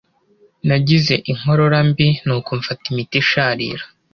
Nagize inkorora mbi, nuko mfata imiti isharira.